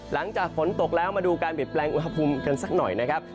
หลังจากฝนตกแล้วมาดูการเปลี่ยนแปลงอุณหภูมิกันสักหน่อยนะครับ